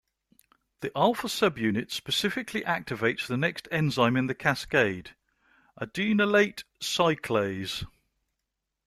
The alpha subunit specifically activates the next enzyme in the cascade, adenylate cyclase.